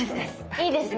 いいですね。